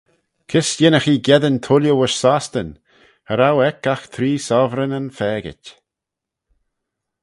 Gys yinnagh ee geddyn tooilley voish Sostyn, cha row eck agh tree sovereignyn faagit.